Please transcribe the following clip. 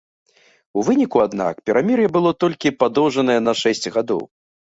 У выніку, аднак, перамір'е было толькі падоўжанае на шэсць гадоў.